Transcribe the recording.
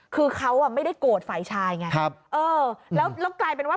คือเขาไม่ได้โกรธฝ่ายชายไงแล้วกลายเป็นว่า